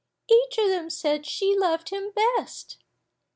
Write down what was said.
Each of them said she loved him best.